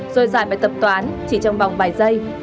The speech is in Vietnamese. rồi dạy bài tập toán chỉ trong vòng bài giây